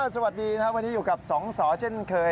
สวัสดีนะครับวันนี้อยู่กับสองสอเช่นเคย